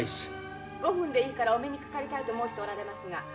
・５分でいいからお目にかかりたいと申しておられますが。